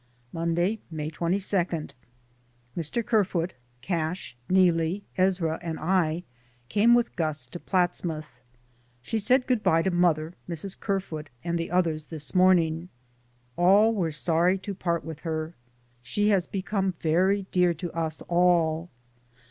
Monday, May 22. Mr. Kerfoot, Cash, Neelie, Ezra and I came with Gus to Platsmouth. She said good bye to mother, Mrs. Kerfoot and the others this morning. All were sorry to part with her. She has become very dear to us all.